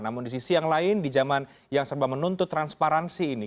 namun di sisi yang lain di zaman yang serba menuntut transparansi ini